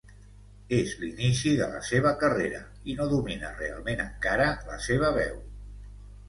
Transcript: És l'inici de la seva carrera, i no domina realment, encara, la seva veu.